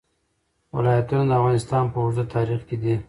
ولایتونه د افغانستان په اوږده تاریخ کې دي.